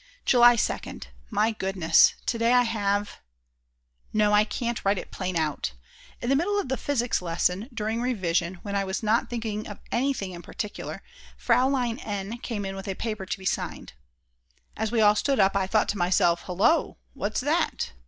July 2nd. My goodness, to day I have ...., no, I can't write it plain out. In the middle of the Physics lesson, during revision, when I was not thinking of anything in particular, Fraulein N. came in with a paper to be signed. As we all stood up I thought to myself: Hullo, what's that?